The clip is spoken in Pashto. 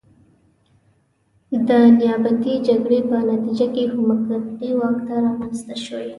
د نیابتي جګړې په نتیجه کې حکومتي واک رامنځته شوی.